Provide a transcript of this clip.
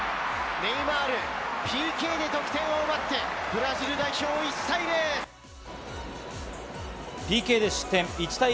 ネイマール、ＰＫで得点を奪ってブラジル代表、１対０。